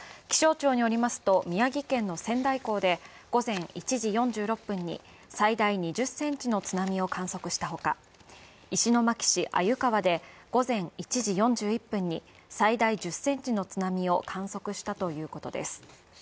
気象庁によりますと、宮城県の仙台港で午前１時４６分に最大２０センチの津波を観測したほか、石巻市鮎川で午前１時４０分に最大１０センチの津波を観測したということです。